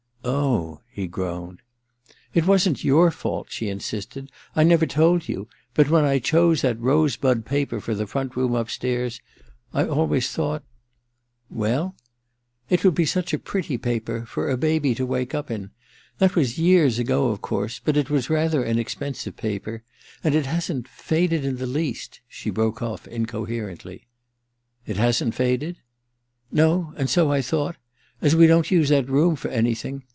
* Oh/ he groaned. * It wasn't your fault,' she insisted. * I never told you — but when I chose that rose bud paper for the front room upstairs, I always thought '* Well ?'* It would be such a pretty paper — ^for a baby — to wake up in. That was years ago, of course ; but it was rather an expensive paper ... and it hasn't faded in the least ...' she broke off incoherently. * It hasn't faded ?'* No— and so I thought ... as we don't use the room for anything